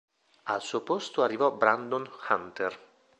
Al suo posto arrivò Brandon Hunter.